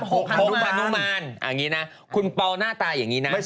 โภคพรรณุมานอย่างนี้นะคุณปอล์หน้าตายอย่างนี้นะ